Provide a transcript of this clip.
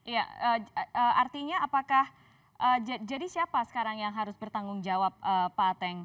ya artinya apakah jadi siapa sekarang yang harus bertanggung jawab pak ateng